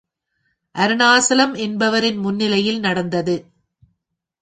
அருணாசலம் என்பவரின் முன்னிலையில் நடந்தது.